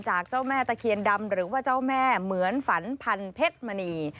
เจ้าแม่ตะเคียนดำหรือว่าเจ้าแม่เหมือนฝันพันเพชรมณี